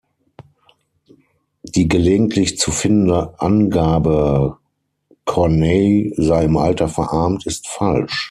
Die gelegentlich zu findende Angabe, Corneille sei im Alter verarmt, ist falsch.